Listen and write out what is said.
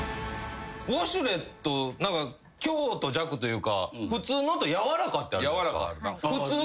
ウォシュレット強と弱というか普通のとやわらかってあるじゃないっすか。